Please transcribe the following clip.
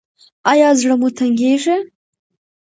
ایا زړه مو تنګیږي؟